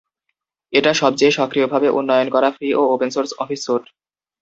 এটা সবচেয়ে সক্রিয়ভাবে উন্নয়ন করা ফ্রি ও ওপেন সোর্স অফিস স্যুট।